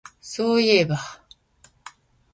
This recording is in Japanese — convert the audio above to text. そういえば